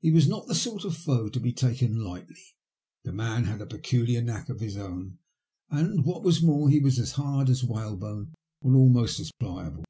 He was not the sort of foe to be taken lightly. The man had a peculiar knack of his own, and, what was more, he was as hard as whalebone and almost as pliable.